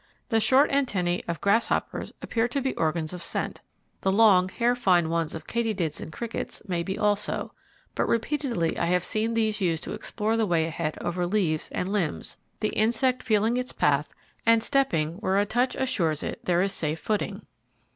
The short antennae of grasshoppers appear to be organs of scent. The long hair fine ones of katydids and crickets may be also, but repeatedly I have seen these used to explore the way ahead over leaves and limbs, the insect feeling its path and stepping where a touch assures it there is safe footing.